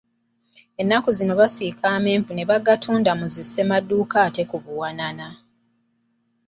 Ennaku zino nno basiika amenvu ne bagatunda mu zi ssemaduuka ate ku buwanana.